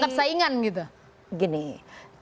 jadi menganggap saingan gitu